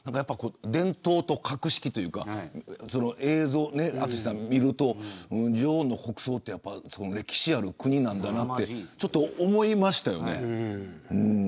伝統と格式というか映像を見ると女王の国葬は歴史のある国なんだなと思いましたよね。